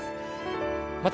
また